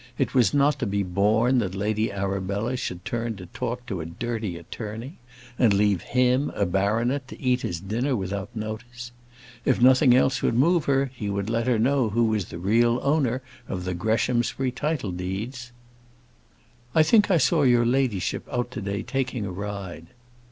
It was not to be borne that Lady Arabella should turn to talk to a dirty attorney, and leave him, a baronet, to eat his dinner without notice. If nothing else would move her, he would let her know who was the real owner of the Greshamsbury title deeds. "I think I saw your ladyship out to day, taking a ride."